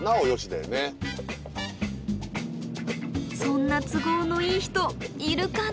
そんな都合のいい人いるかな？